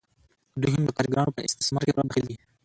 دوی هم د کارګرانو په استثمار کې پوره دخیل دي